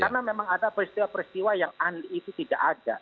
karena memang ada peristiwa peristiwa yang andi itu tidak ada